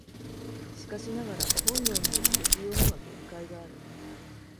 しかしながら本能による適応には限界がある。